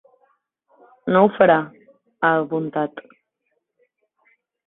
No ho farà, ha apuntat.